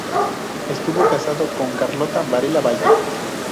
Estuvo casado con Carlota Varela Valle.